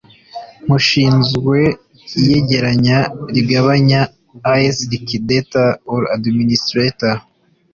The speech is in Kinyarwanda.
nkushinzwe iyegeranya n’igabagabanya as liquidator or administrator